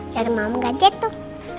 biar mama gak jatuh